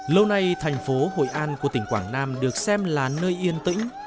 lâu nay thành phố hội an của tỉnh quảng nam được xem là nơi yên tĩnh